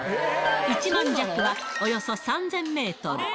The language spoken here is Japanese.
一万尺は、およそ３０００メートル。